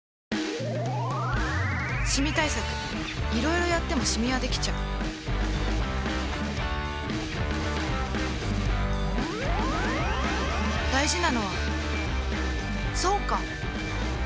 シミ対策いろいろやってもシミはできちゃう大事なのはそうか！